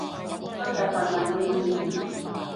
今日份問卷已填